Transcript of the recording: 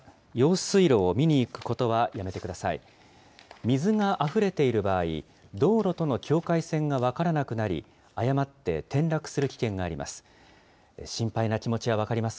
水があふれている場合、道路との境界線が分からなくなり、誤って転落する危険があります。